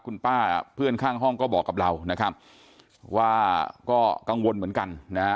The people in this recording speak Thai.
คุณป้าเพื่อนข้างห้องก็บอกกับเรานะครับว่าก็กังวลเหมือนกันนะฮะ